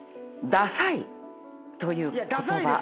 「ダサい」という言葉。